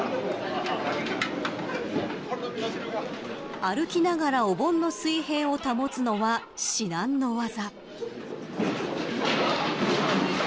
歩きながらおぼんの水平を保つのは至難の業。